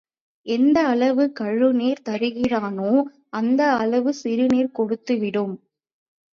எந்த அளவு கழுநீர் தருகிறானோ அந்த அளவு சிறுநீர் கொடுத்துவிடும்.